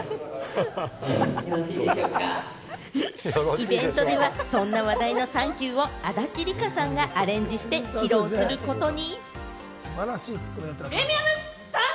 イベントでは、そんな話題のサンキュー！を足立梨花さんがアレンジして披露することに。